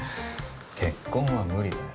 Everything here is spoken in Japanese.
結婚は無理だよ。